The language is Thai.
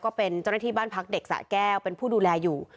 ก็เป็นเจ้าหน้าที่บ้านพักเด็กสะแก้วเป็นผู้ดูแลอยู่